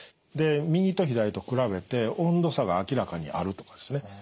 で右と左と比べて温度差が明らかにあるとかですね。